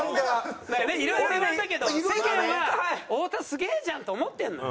まあねいろいろ言われたけど世間は「太田すげえじゃん！」と思ってるのよ。